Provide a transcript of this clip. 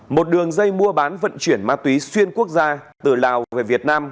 một đường dây mua bán vận chuyển ma túy xuyên quốc gia từ lào về việt nam